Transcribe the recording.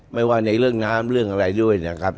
ไม่ว่าในเรื่องน้ำเรื่องอะไรด้วยนะครับ